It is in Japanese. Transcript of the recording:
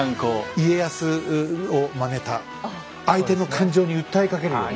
家康をまねた相手の感情に訴えかけるような。